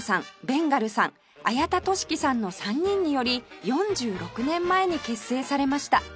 ベンガルさん綾田俊樹さんの３人により４６年前に結成されました